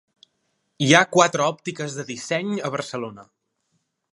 Hi ha quatre òptiques de disseny a Barcelona.